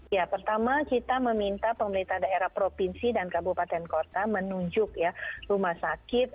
ya pertama kita meminta pemerintah daerah provinsi dan kabupaten kota menunjuk ya rumah sakit